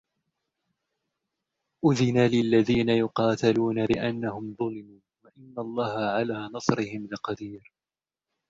أذن للذين يقاتلون بأنهم ظلموا وإن الله على نصرهم لقدير